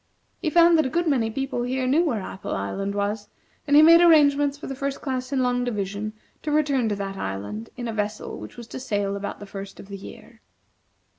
He found that a good many people here knew where Apple Island was, and he made arrangements for the First Class in Long Division to return to that island in a vessel which was to sail about the first of the year.